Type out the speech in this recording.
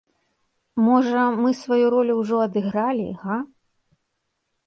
Можа, мы сваю ролю ўжо адыгралі, га?